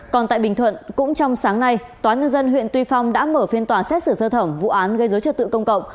còn tại bình thuận cũng trong sáng nay tòa nhân dân huyện tuy phong đã mở phiên tòa xét xử sơ thẩm vụ án gây dối trật tự công cộng